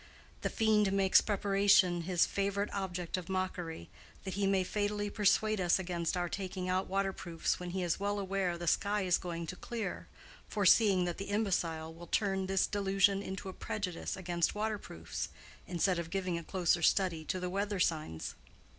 The fiend makes preparation his favorite object of mockery, that he may fatally persuade us against our taking out waterproofs when he is well aware the sky is going to clear, foreseeing that the imbecile will turn this delusion into a prejudice against waterproofs instead of giving a closer study to the weather signs.